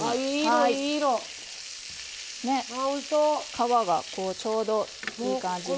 皮がちょうどいい感じに。